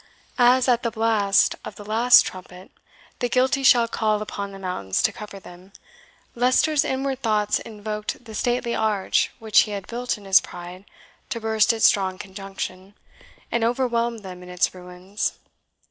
As, at the blast of that last trumpet, the guilty shall call upon the mountains to cover them, Leicester's inward thoughts invoked the stately arch which he had built in his pride to burst its strong conjunction, and overwhelm them in its ruins.